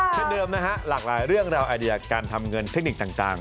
เช่นเดิมนะฮะหลากหลายเรื่องราวไอเดียการทำเงินเทคนิคต่าง